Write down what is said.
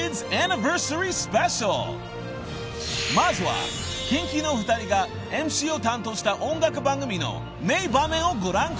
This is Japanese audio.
［まずはキンキの２人がＭＣを担当した音楽番組の名場面をご覧ください］